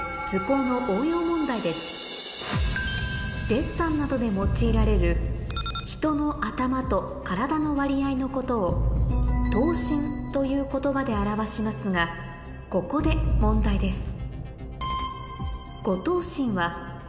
デッサンなどで用いられる人ののことをという言葉で表しますがここで問題です